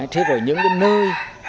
thế rồi những cái nơi